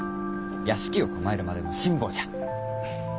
屋敷を構えるまでの辛抱じゃ。